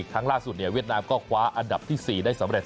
ครั้งล่าสุดเวียดนามก็คว้าอันดับที่๔ได้สำเร็จ